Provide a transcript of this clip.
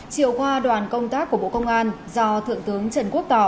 chiều qua đoàn công tác của bộ công an do thượng tướng trần quốc tỏ